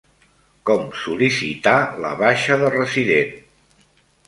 Com sol·licitar la baixa de resident.